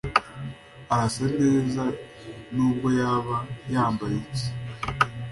arasa neza nubwo yaba yambaye iki